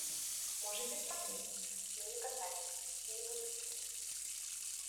Можете смотреть, но не касайтесь и не будите.